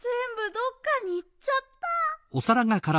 どっかにいっちゃった。